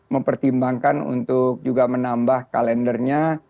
mempertimbangkan untuk menambah kalendernya